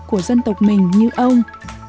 của dân tộc mình như ông